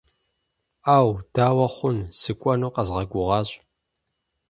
Ӏэу, дауэ хъун, сыкӏуэну къэзгъэгугъащ.